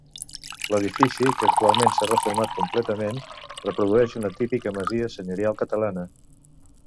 L’edifici, que actualment s’ha reformat completament, reprodueix una típica masia senyorial catalana.